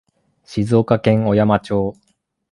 静岡県小山町